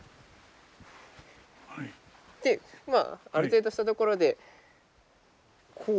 まあある程度したところでこう。